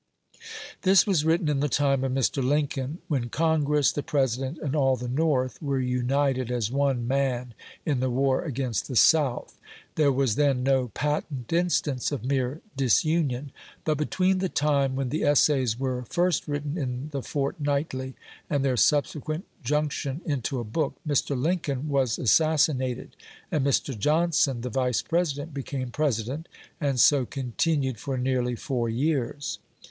This was written in the time of Mr. Lincoln, when Congress, the President, and all the North were united as one man in the war against the South. There was then no patent instance of mere disunion. But between the time when the essays were first written in the Fortnightly, and their subsequent junction into a book, Mr. Lincoln was assassinated, and Mr. Johnson, the Vice President, became President, and so continued for nearly four years.